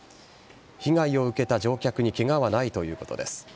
被害を受けた乗客にケガはないということです。